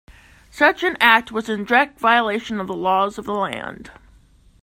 Such an act was in direct violation of the laws of the land.